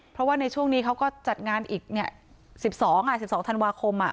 เพราะว่าในช่วงนี้เขาก็จัดงานอีก๑๒๑๒ธันวาคม